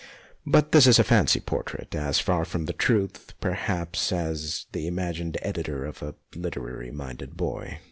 But this is a fancy portrait as far from the truth, perhaps, as the imagined editor of a literary minded boy.